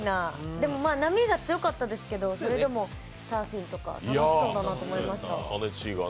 でも、波が強かったですけど、それでもサーフィンとか楽しそうだなと思いました。